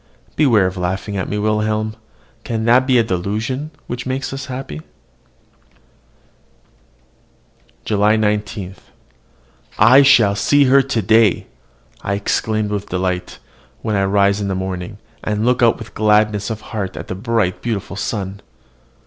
Beware of laughing at me, Wilhelm. Can that be a delusion which makes us happy? JULY 19. "I shall see her today!" I exclaim with delight, when I rise in the morning, and look out with gladness of heart at the bright, beautiful sun.